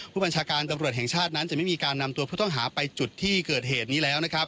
ผู้บัญชาการตำรวจแห่งชาตินั้นจะไม่มีการนำตัวผู้ต้องหาไปจุดที่เกิดเหตุนี้แล้วนะครับ